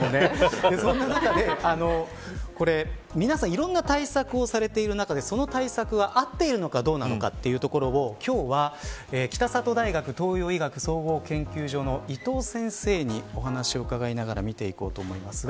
そんな中でいろんな対策をされている中でその対策があっているのかどうかというところを今日は北里大学東洋医学総合研究所の伊藤先生にお話を伺って見ていこうと思います。